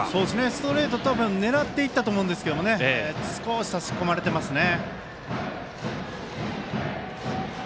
ストレート、多分狙っていったと思うんですけど少し差し込まれていますね。